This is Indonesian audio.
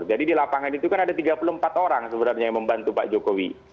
jadi di lapangan itu kan ada tiga puluh empat orang sebenarnya yang membantu pak jokowi